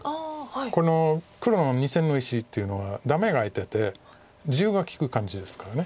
この黒の２線の石っていうのはダメが空いてて自由が利く感じですから。